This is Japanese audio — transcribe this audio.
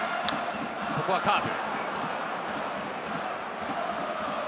ここはカーブ。